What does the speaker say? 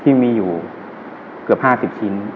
ที่มีอยู่เกือบ๕๐ชิ้น